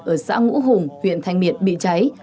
ở xã ngũ hùng huyện thanh miện bị cháy